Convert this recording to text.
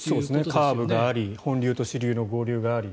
カーブがあり本流と支流の合流があり。